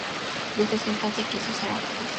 Desde su infancia quiso ser actriz.